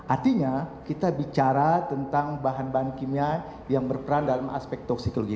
artinya kita bicara tentang bahan bahan kimia yang berperan dalam aspek toksikologi